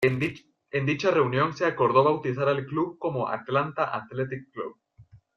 En dicha reunión se acordó bautizar al club como Atlanta Athletic Club.